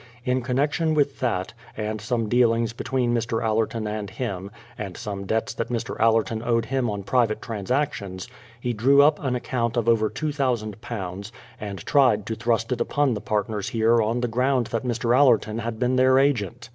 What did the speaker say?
In connection with that, and some dealings between Mr. Allerton and him, and some debts that Mr. Allerton owed him on private transactions, he drew up an account of over £2000, and tried to thrust it upon the partners here on the ground that Mr. Allerton had been their agent.